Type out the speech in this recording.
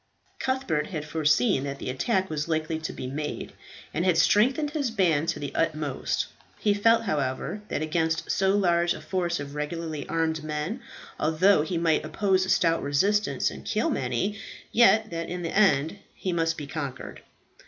Cuthbert had foreseen that the attack was likely to be made and had strengthened his band to the utmost. He felt, however, that against so large a force of regularly armed men, although he might oppose a stout resistance and kill many, yet that in the end he must be conquered.